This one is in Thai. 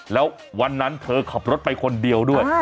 แล้ววันนั้นเธอขับรถไปคนเดียวด้วย